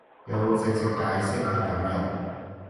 有直接解釋係噉用